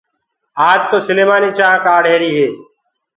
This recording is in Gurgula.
آج تو سليمآني چآنه ڪآڙهري هي